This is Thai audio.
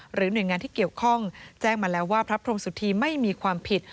หน่วยงานที่เกี่ยวข้องแจ้งมาแล้วว่าพระพรมสุธีไม่มีความผิด